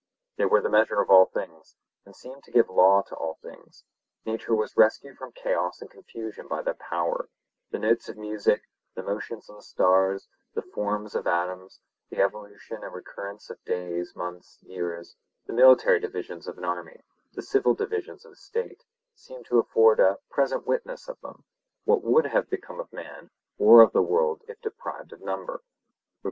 They were the measure of all things, and seemed to give law to all things; nature was rescued from chaos and confusion by their power; the notes of music, the motions of the stars, the forms of atoms, the evolution and recurrence of days, months, years, the military divisions of an army, the civil divisions of a state, seemed to afford a 'present witness' of them—what would have become of man or of the world if deprived of number (Rep.)?